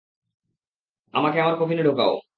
আমাকে আমার কফিনে ঢোকাও।